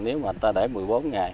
nếu mà ta để một mươi bốn ngày